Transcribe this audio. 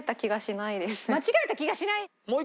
間違えた気がしないです。